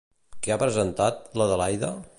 Què ha presentat l'Adelaida?